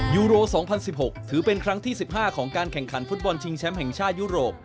ยูโร๒๐๑๖ถือเป็นครั้งที่๑๕ของการแข่งขันฟุตบอลชิงแชมป์แห่งชาติยุโรป